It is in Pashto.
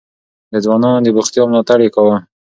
د ځوانانو د بوختيا ملاتړ يې کاوه.